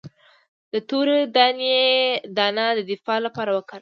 د تورې دانې دانه د دفاع لپاره وکاروئ